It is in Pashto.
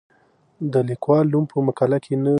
د لیکوال نوم په مقاله کې نه ذکر کیږي.